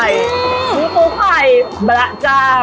นี่คือไข่นี่คือไข่บระเจ้า